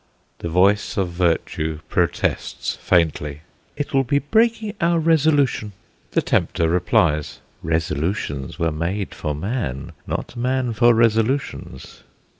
The voice of Virtue protests, faintly: "It will be breaking our resolution." The Tempter replies: "Resolutions were made for man, not man for resolutions."